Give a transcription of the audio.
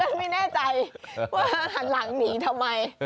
เพื่อนมีแน่ใจว่าหลังหนีทำไม